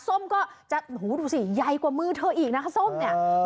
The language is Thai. ส้มก็จะดูสิใหญ่กว่ามือเธออีกนะคะส้มเนี่ย